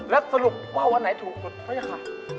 แล้วสรุปว่าวอันไหนถูกสุดพระเยเข้า